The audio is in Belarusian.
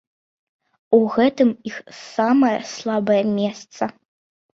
У гэтым іх самае слабае месца.